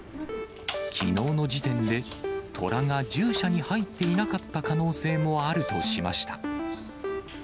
きのうの時点で、トラが獣舎に入っていなかった可能性もあるとしました。